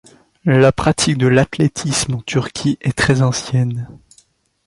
La pratique de l'athlétisme en Turquie est très ancienne.